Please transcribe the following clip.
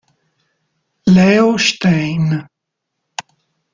Leo Stein